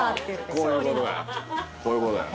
こういうことだよ。